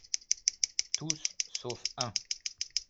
Tous, sauf un